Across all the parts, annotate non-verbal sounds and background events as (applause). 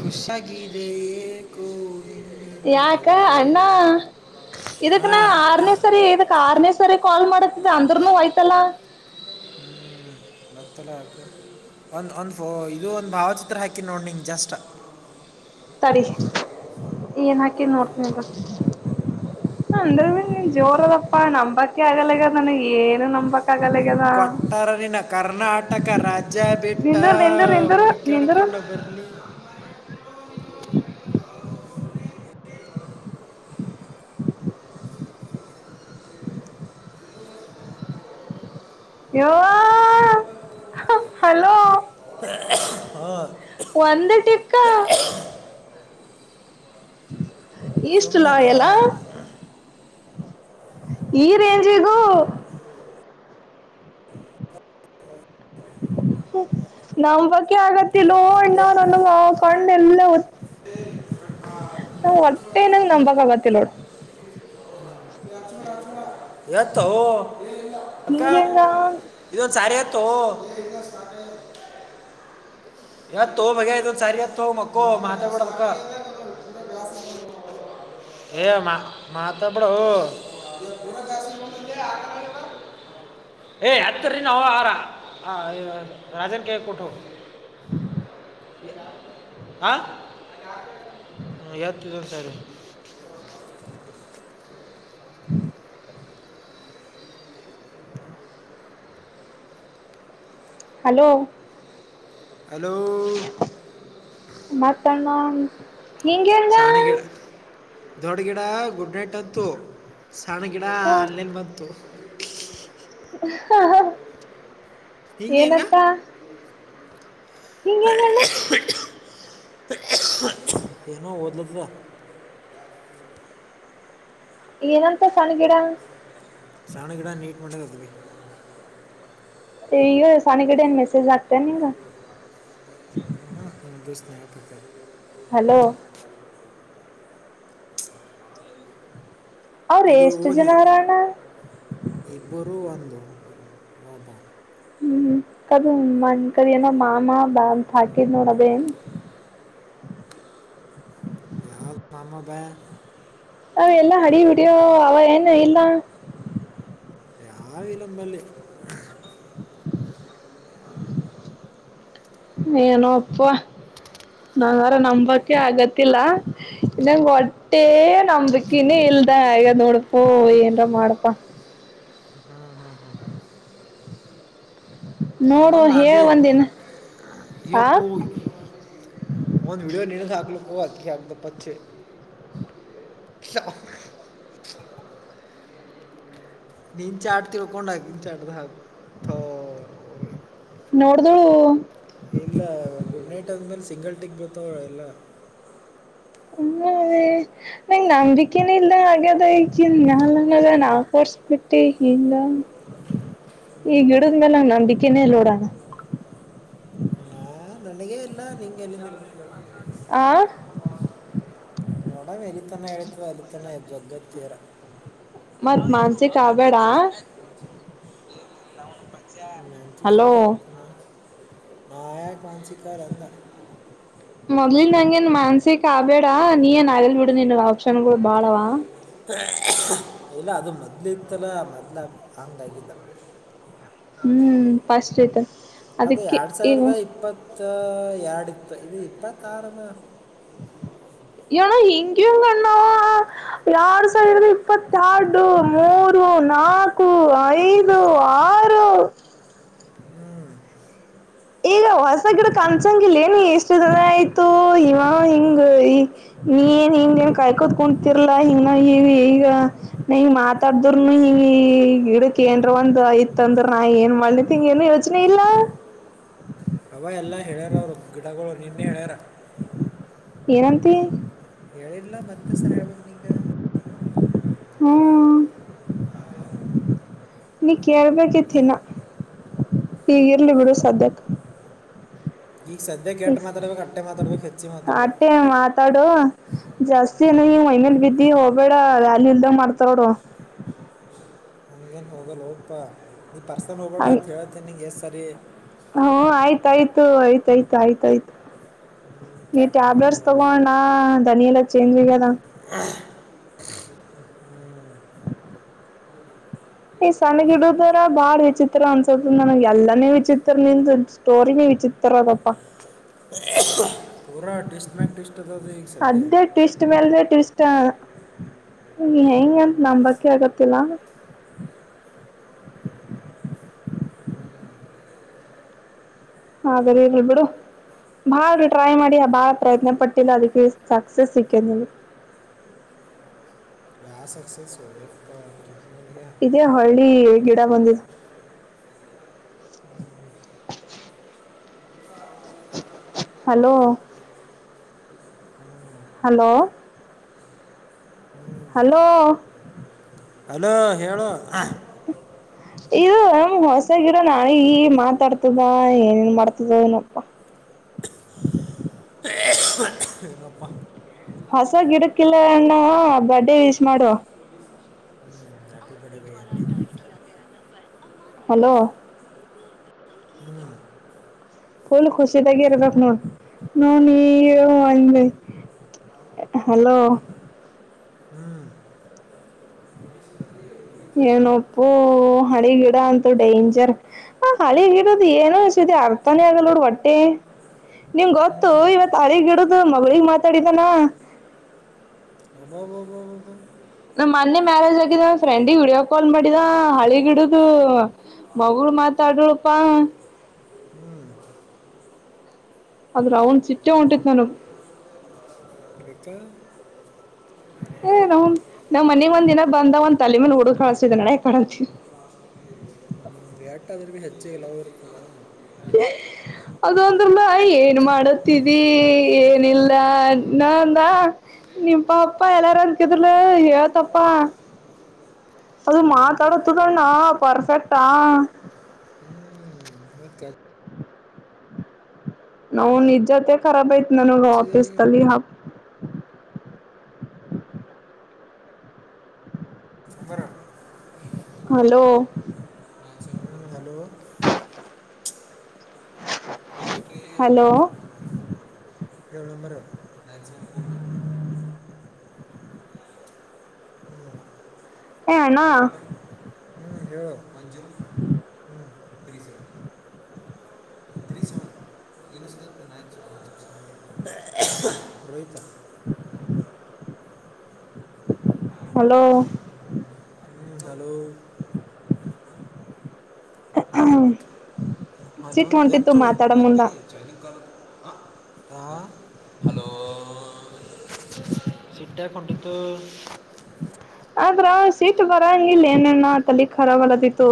ಖುಷಗಿದೆಯೇ ಏಕೋ ನಿನ್ನಿಂದಲೇ ಹಾ ಇದುಕ್ಕೆನ ಆರನೇ ಸರಿ ಇಕ್ಕೆ ಆರನೇ ಸರಿ ಕಾಲ್ ಮಾಡತ್ತಿದ್ದ ಅಂದ್ರನು ಆಯ್ತಲ್ಲ ಮ ಆತ ಒಂದ ಒಂದ್ ಇದು ಒಂದ್ ಭಾವಚಿತ್ರ ಹಾಕಿ ನೋಡ್ ನಿಂಗ ಜಸ್ಟ್ ಸರಿ ಏನ್ ಹಾಕಿ ನೋಡ್ತನಿ ನಿಂದ್ರು ಅಂದ್ರ ನೀನ್ ಜೋರದಪ್ಪಾ ನಂಬಕೆ ಆಗಲ್ಲಗ ನನ ಏನು ನಂಬಕ್ ಆಗಲ್ಲಗ್ಯದ ಕೊಟ್ಟಾರಿನ ಕರ್ನಾಟಕ ರಾಜ್ಯ ಅಜ್ಜಾ ಬಿಟ್ಟ ನಿಂದುರ್ ನಿಂದುರ್ ನಿಂದುರು ನಿಂದುರು ಹುಡುಕಾಡ್ಕೊಂಡು ಬರಲಿ you hello Vande tikka East ಸುಮ್ಮನೆನಾ ಲಾಯಲ್ಲಾ ಈ ರೇಂಜಗು ನಂಬಂಬಕೆ ಆಗತ್ತಿಲ್ಲ ಯಾ ಮೊದಲೇ ಅಣ್ಣು ಕಣ್ಣೆಲ್ಲ ನಾ ಹೊಟ್ಟೇನ್ ನಂಬ ಪಾಗತ್ತೋಡ ಇವತ್ತು ಅಕ್ಕ ಹಿಂಗೆಂಗ ಇದೊಂದ್ ಸಾರಿ ಆತ್ತು ತ್ತೋ ಯ ತೋ ಭಗದು ಸಾರಯ ತ ಮಕ್ಕೋ ಮತ ಬಡ ಮಕ್ಕ ಏ ಮತದಬ್ಯಾಡೋ ಆವ ಏ ಹತ್ತರಿನ ಹ ಆರ ರಾಜನ್ ಕೆ ಕೊಟ್ಟು ಹಂ ಹ ಎತಿದ್ದನ್ ಸಾರೆ (inaudible) ಹಲೋ ಹಲೋ ಮತ್ತ ಅಣ್ಣಾ ನಿಂಗ ಸಣ್ಣ ಹ್ಯಾಂಗ್ ಗಿಡ ದೊಡ್ಡ ಗಿಡ ಗುಡ್ ನೈಟ್ ಅಂತು ಸಣ್ಣ ಗಿಡ ಆನ್ಲೈನ್ ಬಂತು ಹ ಹಿಂಗೆ ಹೆಂಗ ಏನಂತ ಹಿಂಗ್ ಹ್ಯಾಂಗ್ ಅಣ್ಣಾ ಏನೋ ಓದ್ಲದ ಏನಂತ ಸಣಗಿಡ ಸಣ್ಣ ಗಿಡ ನೀಟ್ ಮಾಡಲಕತದ ಅವಿ ಈಗ ಸಣ್ಣಗಿಡ ಏನ್ ಮೆಸೇಜ್ ಆಗ್ತ ನಿಂಗ ಹ್ಮ ಸ್ನ್ಯಾಪ್ ಹಾಕ್ಯಾದ್ ಹಲೋ ಅವರ ಇದು ಎಷ್ಟು ಜನ ಹರ ಅಣ್ಣಾ ಬರುವ ಒಂದು ಹಬ ಹ್ಮ್ ಕದು ಕದ ಏನೋ ಮಾಮ ಬಾ ಅಂತ ಹಾಕಿದ್ ನೋಡ ಅದೇ ಯಾವ ಮಾಮಾಪ ಅವ ಎಲ್ಲಾ ಹಳೇ ವಿಡಿಯೋ ಅವ ಏನು ಇಲ್ಲ ಆ ವಲಂಬಲ್ಲಿ. ಏನೋ ಅಪ್ಪ. ನಂಗಾರ ನಂಬಕೆ ಆಗತ್ತಿಲ್ಲ ಇಂಗ ಹೊಟ್ಟೆ ನಂಬಿಕನೇ ಇಲ್ಲ. ಇಲ್ದ ಈಗ ನೋಡಪ ಏನ್ರ ಮಾಡಪ. ನೋಡ ನೋಡುವ ನಭ ಹೇಳ ಒಂದಿನ ಇ ಆ ಪ ಒಂದು ವಿಡಿಯ ನೀ ಸಾ. ನಗ ಅದಗದ ಪಕ್ಷೆ. ಸ ನೀನ್ ಚಾಟ್ ತಿಳ್ಕೊಂಡ್ ಹಾಕನ್ ಚಾಟ್ದ ಹಾಕು ತೂ. ನೋಡ್ದಳು. ಗುಡ್ ನೈಟ್ ಅಂದ್ಮೇಲೆ ಸಿಂಗಲ್ ಟಿಕ್ ಬತಾವ ಎಲ್ಲ. ಹ ಅದೇ ನಂಗಗೆ ನಂಬಿಕೆನ ಇಲ್ಲ ಹಾಗದ ಈ ನಂಗದ ನಾ ಕೋರ್ಸ್ಬಿಟ್ಟಿ. ಹಗ ಈ ಹಿಡದ ಮೇಲೆಂಗ ನಂಬಕ್ಕನೇ ನೋಡೋಣ. ಹಾ ನನಗೇ ಇಲ್ಲ ನಿಂಗೆ ಎಲ್ಲಿಂದ. ಆ ನೋಡ ವಲ ತಣ ಎಳ ವಲತ್ತಣ್ಣ ಜಗ್ಗ ತೀರ. ಮತ್ ಮಾನ್ಸಿಕ ಆಗ್ ಬೇಡ. ಹಲೋ (unintelligible) ರಪ್ಪ ನ ಆ ವಂಚಿಕಾ ರಧ. ಮೊದ್ಲಿನ್ ನಂಗೇನ್ ಮಾನ್ಸಕ್ ಆಬೇಡ ನೀ ಏನ್ ಆಗಲ್ ಬಿಡು ನೀನ್ ಆಪ್ಷನ್ ಗೋ ಬಾಳವಾ ಇಲ್ಲ ಅದು ಮೊದ್ಲತ್ತಲ್ಲ ಮೊದ್ಲು ಹಂಗಾಗಿಲ್ಲ. ಹ್ಮ್ ಫಸ್ಟ್ ರತ. ಅದು ಎರಡ್ ಸಾವಿರದ ಇಪ್ಪತ್ತ ಎರಡು ಇತ್ ಇದು ಇಪ್ಪತ್ತಾರನ. (inaudible) ಣ ಹಿಂಗ ಹಂಗ ಅಣ್ಣಾವ ಎರಡ್ ಸಾವಿರದ ಇಪ್ಪತ್ತೆರಡು ಮೂರು ರು, ನಾಲ್ಕು, ಐದು, ಆರು. ಹ್ಮ್ ಈಗ ಹೊಸ ಗಿಡ ಕನ್ಸಂಗಿಲ್ಲ ನ ಎಷ್ಟು ದನ ಆಯ್ತು ಇವ ಹಿಂಗ ಈ. ನೀನ್ ಹಿಂಗಏನ್ ಕಾಯ್ ಕೋತ್ ಕುತಿರ್ಲಾ ಹಿಂಗ ನಾವ ಈ ಈಗ ನ ಮಾತಾಡ್ದರುನು ಈ. ಈ ಗಿಡಕ್ ಏನ್ರ ಒಂದ್ ಯತ್ ಅಂದ್ರ ನಾ ಏನ್ ಮಾಡ್ಲಿತ್ ಹಂಗ ಏನು ಯೋಚನೆ ಇಲ್ಲ. ಅವ ಎಲ್ಲ ಹೇಳ್ಯಾರ ಅವರು ಗಿಡಗಳು ನೀನ್ನೆ ಹೇಳ್ಯಾರ. ಏನಂತಿ. ಹೇಳಳಿರ್ಲಾ ಮತ್ತೆ ಸರ್ ಹೇಳೇಳ್ಬಕ್ ನೀಗ. ಹ್ಮ್ ನೀ ಕೇಳ್ಬೇಕಿತ್ ಇನ್ನ ಈಗಿರ್ಲಿ ಬಿಡು ಸದ್ಯಕ್ಕೆ. ಈಗ ಸದ್ಯ ಕೆೇಟ ಮಾತಾಡ್ಬೇಕಕ್ ಅಟ್ಟೆ ಮಾತಾಡ್ಬೇಕು ಹೆಚ್ಚಿ ಮಾತಾಡ್ಬೇಕು. ಆಟೆ ಮಾತಾಡು ಜಾಸ್ತಿ ಏನ ನೀವ್ ಮೈನೇಲ್ ಬಿದ್ದಿ ಹೋಗ್ಬೇಡ ವ್ಯಾಲ್ಯೂ ಇಲ್ದ ಮಾಡ್ತಾರೋಡು. ನನಗೇನು ಹೋಗಲ್ಲ ಹೋಗಪ್ಪಾ ನೀ ಪರ್ಸನ್ ಹೋಗಬೇಡ ಅ ಹೇಳ್ತೀನಿ ನಿಂಗೆ ಎಷ್ಟು ಸರಿ. ಹ್ಮ ಆಯ್ತಾಯ್ತು ಆಯ್ತಾಯ್ತು ಆಯ್ತಾಯ್ತು. ನೀ ಕ್ಯಾಟ್ ಮಾಡಿ ಟ್ಯಾಬ್ಲೇಟ್ಸ್ ನೋಡಿ ನೀವು ತಗೊಳೋಣ ಧನಿಯ ಲ ಚೇಂಜ್ ಕದಾ. (inaudible) ಈ ಸಣ್ಣಗಿಡುದರ ಬಾಳ ವಿಚಿತ್ರ ಅನ್ಸದ ನನಗೆ ಎಲ್ಲಾನೇ ವಿಚಿತ್ರ ನಿಂದ ಸ್ಟೋರಿ ನೇ. ಚಿತ್ರ ಅದಪ್ಪ. ಪೂರ ಟಿಸ್ಟ್ ಮ್ಯಾಕ್ ಟಿಸ್ಟ್ದದು ಈಗ ಸದ್ಯ. ನೀ ಹೆೇಂಗಂತ ನಂಬಂಬಕೆ ಆಗತ್ತಿಲ್ಲ. (inaudible) ಹಾಗರಿ ಇಲ್ ಬಿಡು. ಬಾಳ ಟ್ರೈ ಮಾಡಿ ಆ ಬಾಳ ಪ್ರಯತ್ನ ಪಟ್ಟಿಲ್ಲ ಅದಕ್ಕೆ ಸಕ್ಸಸ್ ಸಿಕದೆ ನಿನ್ಗೆ. (inaudible) (unintelligible) ಇದೇ ಹಳ್ಳಿ ಗೀಡಾ ಬಂದ ಹಲೋ ಹಲೋ ಹಲೋ ಹಲೋ ಹೇಳು (unintelligible) ಇದು ನಮ ಹೊಸ ಗಿಡ ನಾ ಈ ಮಾತಾಡ್ತದನ್ ಏನ್ ಮಾಡ್ತದ ಏನೋ ಹಾ (unintelligible) ಏನಪ್ಪ ಹೊಸ ಗಿಡ ಕ್ ಹಾಕಿಲ್ಲ ಅಣ್ಣ ಬರ್ಡೇ ವಿಶ್ ಮಾಡು (unintelligible) ಹಲೋ (unintelligible) ಫೂಲ್ ಖುಷಿ ದಾಗ ಇರಬೇಕ ನೋಡ ನೋಡು ನೀ ಹಲೋ (unintelligible) ಏನಪ್ಪು ಹಳಿ ಗಿಡ ಅಂತೂ ಡೇಂಜರ್ ಆ ಹಳಿ ಗಿಡದ ಏನು ಇ ಅರ್ಥನೇ ಆಗಲ್ಲೋಡ ಒಟ್ಟೆ ನಿಮ್ ಗೊತ್ತು ಇವತ್ ಅರಿಗ್ ಗಿಡುದು ಮಗಳಿಗೆ ಮಾತಾಡಿದಾನ ಅಬಾಬಬಬ ನಮ್ ಮೊನೆೆ ಮ್ಯಾರೇಜ್ ಆಗಿದ ಫ್ರೆಂಡಿ ವಿಡಿಯೋ ಕಾಲ್ ಮಾಡಿದ ಹಳಿ ಗಿಡುದು ಮಗಳು ಮಾತಾಡರಪ್ಪಾ ಅದ್ರ ಅವನ್ ಸಿಟ್ಟೆ ಉಂಟಿತ್ತು ನನ (unintelligible) (inaudible) ಏ ನಾವ್ ನಾವ್ ಮನೀಗ್ ಒಂದ ದಿನಾ ಬಂದ ಒಂದ ತಲೆ ಮೇಲೆ ಹೊಡದ ಕಳಸಿದ ನಡ ಯ ಅಕಾಡಿ (unintelligible) ಗೆ ಎಟ್ಟಾದ್ರೂ ಭೀ ಹೆಚ್ಚಿಗೆ ಲವ್ ಇರ್ತಲ್ಲ ಅದ ಅಂದ್ರಲ್ಲ ಏನ್ ಮಾಡತಿದಿ ಏನಿಲ್ಲಾ ನಾ ಅಂದಾ ನಿ ಪಪ್ಪಾ ಎಲ್ಲಾರು ಅಂದಕಿದ್ಲು ಯತಪ್ಪ ಅದು ನಿಮ್ಮ ಪಪ್ಪ ಮಾತಾಡತುದಣ್ಣ ಪರ್ಫೆಕ್ಟಾ ಹ್ಞೂ ಮತ್ತು ನಾವನ್ ಇಜತೆ ಕರಾಬ್ ಆಯ್ತ್ ನನಗೆ ವಾಪೀಸ್ಲ್ ತೆಲಿ ಹಾಪ್ number hello hello hello (unintelligible) ಕೇಳಂಬರ (unintelligible) A ಅಣ್ಣಾ ಹ್ಞೂ ಹೇಳು ಹ್ಞೂ (unintelligible) ರೋಹಿತ ಹಲೋ ಹ್ಞೂ ಹಲೋ (inaudible) ಹಲೋ ಸಿಟ್ ಹೊಂಟಿತ್ತು ಎತ್ತು ಮಾತಾಡ ಮುಂದ (unintelligible) ಹಲೋ ಸೀಟ್ಟ ಕೊಂಟತ್ತು ಆದ್ರ ಸೀಟ್ ಬರಂಗಿಲ್ಲ ಏನೇನ ತಲೆ ಖರಾಬ್ ಅಲದಿತ್ತು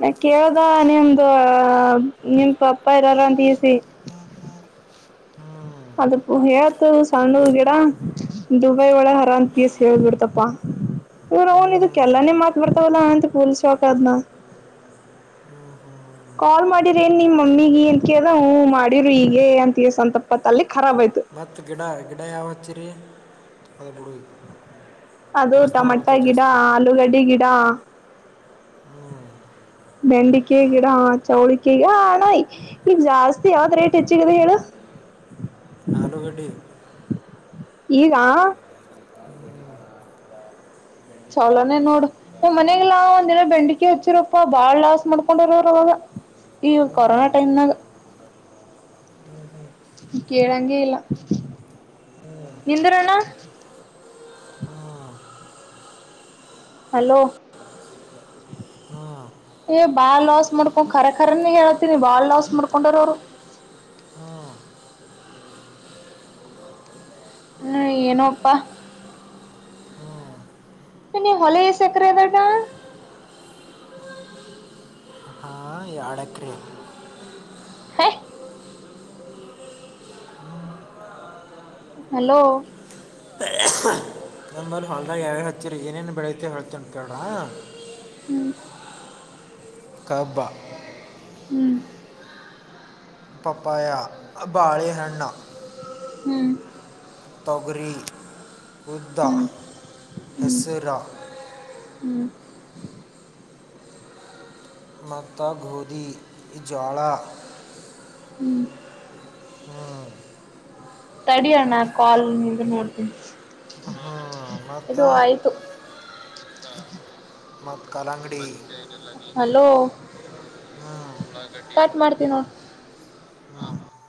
ನ ಕೇಳ್ದ ನಿಮ್ದು ನಿಮ ಪಪ್ಪ ಇರಾರ ಅಂತಕೆಸಿ (inaudible) ಹ್ಞೂ ಅದಪು ಹೇತ ಸಣ್ಣ ಗಿಡ ದುಬೈ ಒಳ ಹರ ಅಂತಸ ಹೇಳ್ಬಿಡ್ತಪ್ಪಾ ಇವ್ರ ಹ್ಞೂ ಅವನ್ ಇದಕ್ಕೆಲ್ಲಾನೇ ಮಾತ್ ಬಿಡ್ತಾವಲ್ಲಾ ಅಂತ ಪೂಲ್ ಶಾಕ್ ಅ ಆದ್ನ ಹ್ಮ ಹ್ಮ್ ಕಾಲ್ ಮಾಡಿರ ಏನ್ ನಿಮ್ ಮಮ್ಮಿಗ ಅಂತ ಕೇಳ್ದ ಮಾಡಿ್ರಿ ಈಗಗೆ ಅಂತ ಸಂತಪ ಅಲ್ಲಿ ಖರಾಬ ಆಯ್ತು ಮತ್ತು ಗಿಡ ಗಿಡ ಯಾವಚ್ಚಿರಿ ಅದು ಬಿಡು ಅದು ಪರ್ಸ್ನಲ್ ಟಮಟ ಗಿಡ ಆಲೂಗಡ್ಡಿ ಗಿಡ ಹ್ಮ್ ಬೆೆಂಡಿಕೆ ಗಿಡ ಚೌಳಿಕೆಗಣ ಈಗ ಜಾಸ್ತಿ ಯಾವತ್್ ರೇಟ್ ಹೆಚ್ಚಗದೆ ಹೇಳು ಹ ಆಲೂಗಡ್ಡಿ ಈಗ ಚಲಾನೇ ನೋಡು ನ್ ಮನೆಗೆಲ್ಲಾ ಒಂದಿನ ಬೆಂಡಕಿ ಹಚ್ಚಿರಪ್ಪಾ ಬಾಳ್ ಲಾಸ್ ಮಾಡ್ಕೊಂಡರವ್ರ ಅವಾಗ ಈ ಕೊರೋನಾ ಟೈಮ್ ನ ಹ್ಞೂ ಹ್ಞೂ ಕೇಳಂಗಗೆ ಇಲ್ಲ ನಿಂದಿರೋಣ್ಣ ಹ್ಮ ಹಲೋ ಹ್ಮ್ ಏ ಬಾಳ್ ಲಾಸ್ ಮಾಡ್ಕೊಂಡ್ಖರ ಖರನ ಹೇಳತೀನಿ ಬಾಳ್ ಲಾಸ್ ಮಾಡಕೊಂಡರ ಅವರು ಹ್ಮ್ ಹ್ಮ ಏನಪ್ಪಾ ಹ್ಞೂ ಇನ್ನ ಹೊಲ ಸಕರೆದಟಾ ಅಡಕ್ಕ್ರೆ ಹ ಹಲೋ ನಂಬಲ್ಲಿ ಹೊ್ರ ಯಾವು ಹಚ್ಚೀರಿ ಏನೇನು ಬೆಳೆಯತೆ ಹೇಳ್ತೀ ಕೇಳ್ರಾ ಹ್ಮ್ ಕಬ್ಬ ಹ್ಮ್ ಪಪಾ ಬಳೆ ಹೆಣ್ಣ ಹ್ಮ್ ತೊಗರಿ ಹುದದ ಹ್ಮ್ ಹ್ಮ್ ಹೆಸರ ಹ್ಮ್ ಮಾತ ಗೋಧಿ ಇಜಳಾ ಹ್ಮ್ ಹ್ಮ್ ತಡಿಯಣ ಕಾಲ್ ನೋಡ್ತೀನಿ ಹ್ಞೂ ಇದು ಮತ್ತು ಆಯ್ತು ಮಕ್ಕ ಕಲಂಗಡಿ ಹಲೋ ಕಟ್ ಮಾಡ್ತೀಿನ ಹ್ಮ